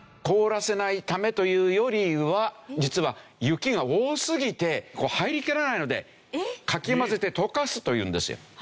凍らせないためというよりは実は雪が多すぎて入りきらないのでかき混ぜて溶かすというんですよ。